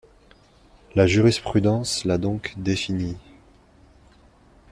La jurisprudence l'a donc définie.